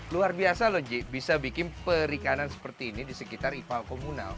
luar biasa loh ji bisa bikin perikanan seperti ini di sekitar ipal komunal